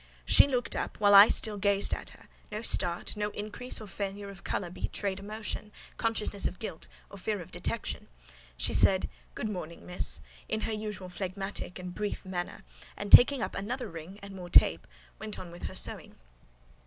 She looked up, while I still gazed at her: no start, no increase or failure of colour betrayed emotion, consciousness of guilt, or fear of detection. She said "Good morning, Miss," in her usual phlegmatic and brief manner; and taking up another ring and more tape, went on with her sewing.